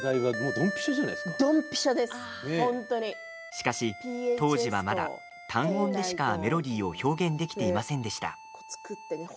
しかし、当時はまだ単音でしかメロディーを表現できていませんでした。